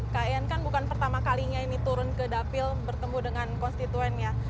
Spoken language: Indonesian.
kak kayan kan bukan pertama kalinya ini turun ke dapil bertemu dengan konstituen ya